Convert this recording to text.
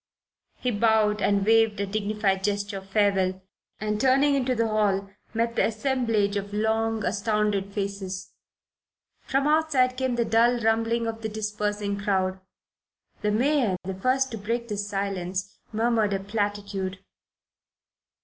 He bowed and waved a dignified gesture of farewell, and turning into the hall met the assemblage of long, astounded faces. From outside came the dull rumbling of the dispersing crowd. The mayor, the first to break the silence, murmured a platitude.